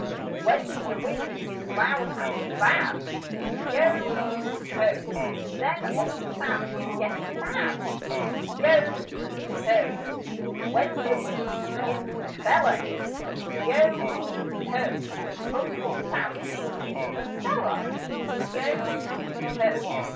When the wind is loud and bad, Yo heave ho! Then Old Sam is getting mad: Yo heave ho! When the wind begins to bellow, Yo heave ho! Uncle Sam is in the cellar: Yo heave ho!